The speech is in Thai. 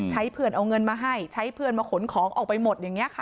เพื่อนเอาเงินมาให้ใช้เพื่อนมาขนของออกไปหมดอย่างนี้ค่ะ